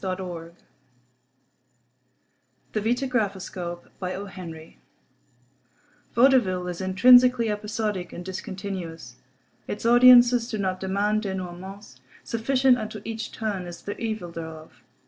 XVIII THE VITAGRAPHOSCOPE Vaudeville is intrinsically episodic and discontinuous. Its audiences do not demand dénouements. Sufficient unto each "turn" is the evil thereof.